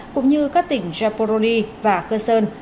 cũng như các tỉnh zaporozhye và kherson